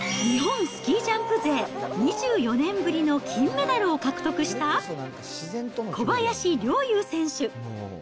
日本スキージャンプ勢、２４年ぶりの金メダルを獲得した、小林陵侑選手。